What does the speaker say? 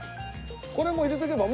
これも入れとけば？